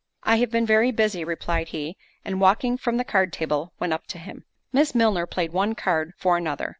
"I have been very busy," replied he, and walking from the card table, went up to him. Miss Milner played one card for another.